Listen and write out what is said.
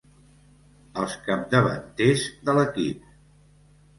Els capdavanters de l'equip.